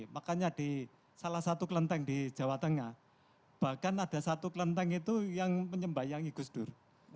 makanya di salah satu kelenteng di jawa tengah bahkan ada satu kelenteng itu yang menyembayangi gus dur